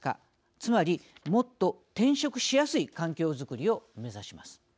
つまり、もっと転職しやすい環境作りを目指します。